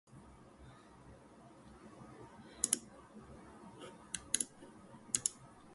These species can be exotic or indigenous.